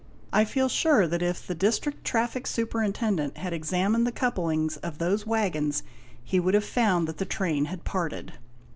I feel sure that if the District Traffic Superintendent had examined the couplings of those waggons, he would have found that the train had parted